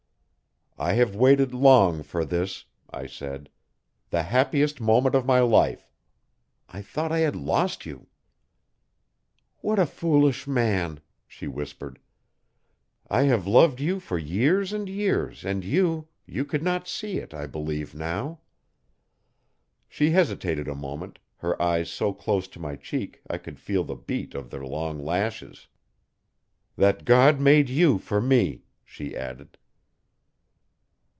'I have waited long for this,' I said 'the happiest moment of my life! I thought I had lost you. 'What a foolish man,' she whispered. 'I have loved you for years and years and you you could not see it, I believe now.' She hesitated a moment, her eyes so close to my cheek I could feel the beat of their long lashes. 'That God made you for me,' she added.